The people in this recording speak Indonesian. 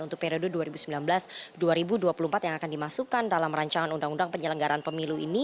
untuk periode dua ribu sembilan belas dua ribu dua puluh empat yang akan dimasukkan dalam rancangan undang undang penyelenggaraan pemilu ini